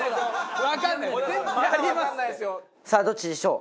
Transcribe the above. さあどっちでしょう？